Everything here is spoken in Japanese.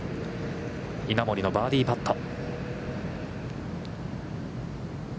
稲森のバーディーパット。